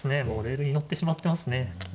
もうレールに乗ってしまってますね。